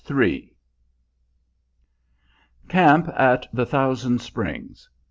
II Camp at the Thousand Springs.